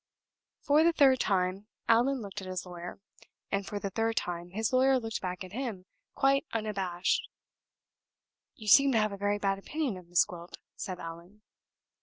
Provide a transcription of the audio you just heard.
For the third time Allan looked at his lawyer. And for the third time his lawyer looked back at him quite unabashed. "You seem to have a very bad opinion of Miss Gwilt," said Allan.